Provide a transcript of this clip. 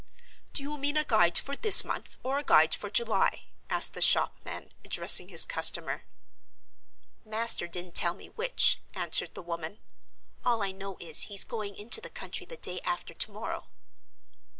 "Do you mean a Guide for this month or a Guide for July?" asked the shopman, addressing his customer. "Master didn't tell me which," answered the woman. "All I know is, he's going into the country the day after to morrow."